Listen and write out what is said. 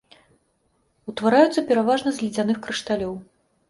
Утвараюцца пераважна з ледзяных крышталёў.